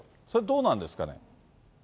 どうなんですかね。